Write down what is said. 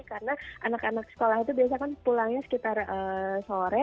karena anak anak sekolah itu biasanya kan pulangnya sekitar sore